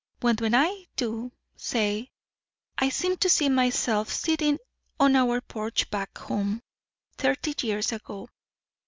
But when I do say, I seem to see myself sitting on our porch back home thirty years ago.